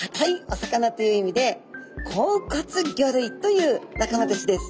お魚という意味で硬骨魚類という仲間たちです。